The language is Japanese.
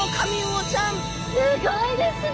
すごいですね